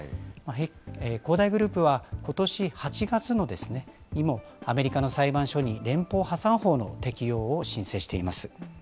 恒大グループはことし８月にも、アメリカの裁判所に連邦破産法の適用を申請しています。